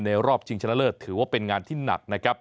ในรอบชิงชะเลอร์ถือว่าเป็นงานที่หนัก